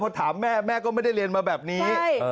พอถามแม่แม่ก็ไม่ได้เรียนมาแบบนี้